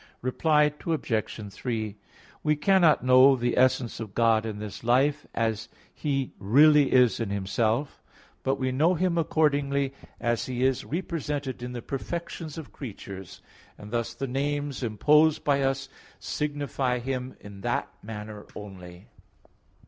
Reply Obj. 3: We cannot know the essence of God in this life, as He really is in Himself; but we know Him accordingly as He is represented in the perfections of creatures; and thus the names imposed by us signify Him in that manner only.